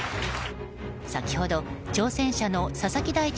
先ほど挑戦者の佐々木大地